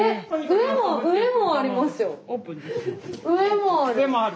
上もある。